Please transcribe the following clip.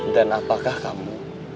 dan apakah kamu